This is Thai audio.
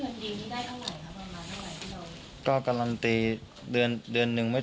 จากนั้นก็จะนำมาพักไว้ที่ห้องพลาสติกไปวางเอาไว้ตามจุดนัดต่าง